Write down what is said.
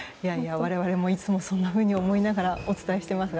我々もいつもそんなふうに思いながらお伝えしています。